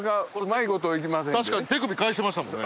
確かに手首返してましたもんね。